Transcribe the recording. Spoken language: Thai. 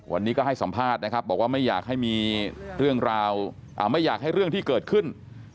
วันนี้ก็ให้สัมภาษณ์นะครับบอกว่าไม่อยากให้มีเรื่องราวไม่อยากให้เรื่องที่เกิดขึ้น